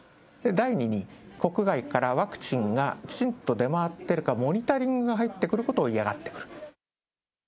第２に、国外からワクチンがきちんと出回っているか、モニタリングが入ってくることを嫌がっている。